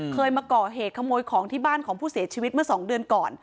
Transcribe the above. เคยมาก่อเหตุขโมยของที่บ้านของผู้เสียชีวิตเมื่อ๒เดือนก่อน